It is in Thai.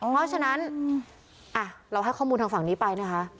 เพราะฉะนั้นเราให้ข้อมูลทางฝั่งนี้ไปนะคะ